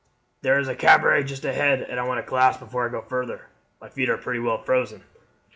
There is a cabaret only just ahead, and I want a glass before I go further. My feet are pretty well frozen."